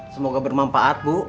semoga bermanfaat bu